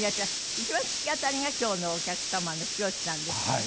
一番突き当たりが今日のお客様のきよしさんですよね。